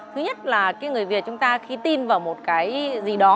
thứ nhất là cái người việt chúng ta khi tin vào một cái gì đó